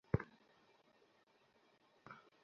সে তৃতীয় পৃষ্ঠা পায়নি।